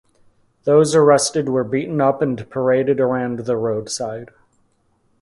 Those arrested were beaten up and paraded around the roadside.